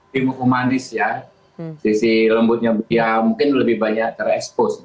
sisi lembutnya ya mungkin lebih banyak terekspos